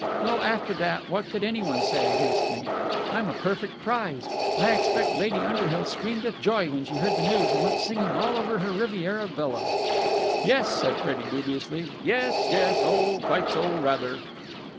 Well, after that, what could anyone say against me? I'm a perfect prize! I expect Lady Underhill screamed with joy when she heard the news and went singing all over her Riviera villa." "Yes," said Freddie dubiously. "Yes, yes, oh, quite so, rather!"